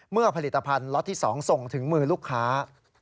ผลิตภัณฑ์ล็อตที่๒ส่งถึงมือลูกค้า